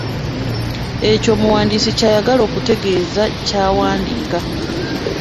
Ekyo omuwandiisi ky’ayagala okutegeeza ky’awandiika.